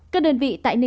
các đơn vị tại ninh bình